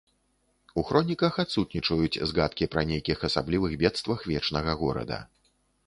У хроніках адсутнічаюць згадкі пра нейкіх асаблівых бедствах вечнага горада.